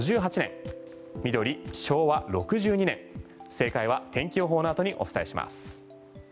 正解は天気予報の後にお伝えします。